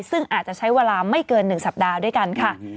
ซึ่งอาจจะใช้เวลาไม่เกิน๑สัปดาห์ด้วยกันค่ะ